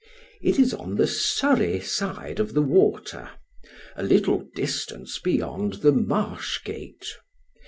It is on the Surrey side of the water a little distance beyond the Marsh Gate.